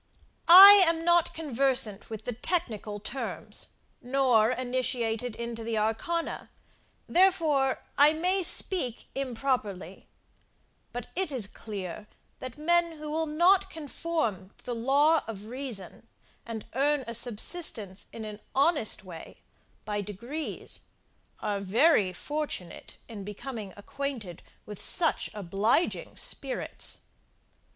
I am not conversant with the technical terms, nor initiated into the arcana, therefore I may speak improperly; but it is clear, that men who will not conform to the law of reason, and earn a subsistence in an honest way, by degrees, are very fortunate in becoming acquainted with such obliging spirits.